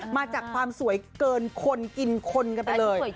มาจากความสวยเกินคนกินคนกันไปเลย